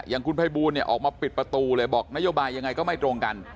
อย่างคุณภัยบูลเนี่ยออกมาปิดประตูเลยบอกนโยบายยังไงก็ไม่ตรงกัน